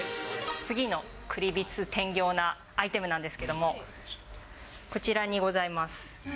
次のクリビツテンギョーなアイテムなんですけども、こちらにございます。